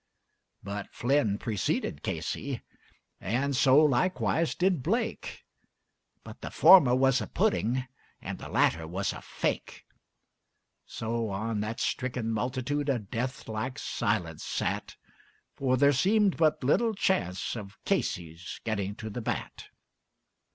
But Flynn preceded Casey, and likewise so did Blake, And the former was a pudding and the latter was a fake; So on that stricken multitude a death like silence sat, For there seemed but little chance of Casey's getting to the bat.